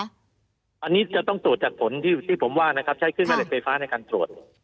อันนี้จะต้องตรวจจากผลที่ผมว่านะครับใช้เครื่องแม่เหล็กไฟฟ้าในการตรวจ